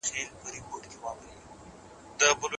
که هغه بېدېدلی وای نو ما به نه بېداوه.